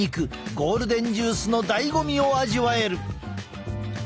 ゴールデンジュースのだいご味を味わえる！